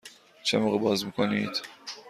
چه موقع باز می کنید؟